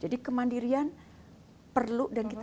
jadi kemandirian perlu dan juga harus